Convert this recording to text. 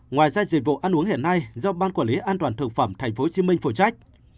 ngoài ra dịch vụ ăn uống hiện nay do ban quản lý an toàn thực phẩm tp hcm phụ trách